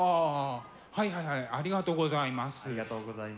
はいはいはいありがとうございます。